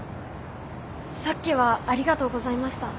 さっきはありがとうございました。